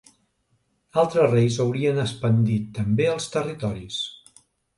Altres reis haurien expandit també els territoris.